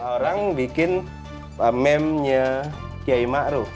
orang bikin memnya kiai ma'ruh